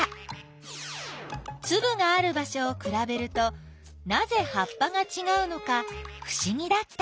つぶがある場しょをくらべるとなぜ葉っぱがちがうのかふしぎだった。